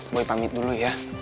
bu pamit dulu ya